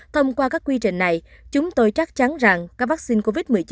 thông qua các quy trình này chúng tôi chắc chắn rằng các vaccine covid một mươi chín